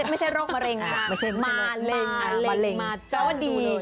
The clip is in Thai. ไม่ใช่โรคมะเร็งมาเล็งมาเจ้าดี